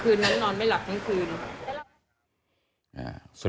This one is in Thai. คืนนั้นนอนไม่หลับทั้งคืนค่ะ